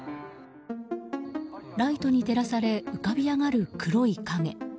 ライトに照らされ浮かび上がる黒い影。